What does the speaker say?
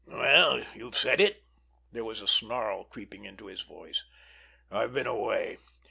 "Well, you've said it!" There was a snarl creeping into his voice. "I've been away.